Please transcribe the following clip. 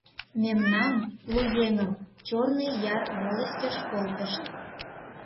Мемнам, лу еҥым, Чёрный Яр волостьыш колтышт.